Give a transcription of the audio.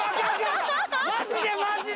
マジでマジで！